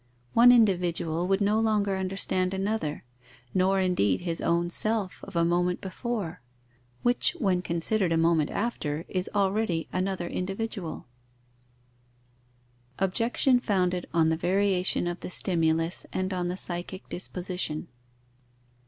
One individual would no longer understand another, nor indeed his own self of a moment before, which, when considered a moment after, is already another individual. _Objection founded on the variation of the stimulus and on the psychic disposition.